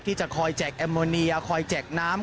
ที่จะคอยแจกแอมโมเนียคอยแจกน้ำ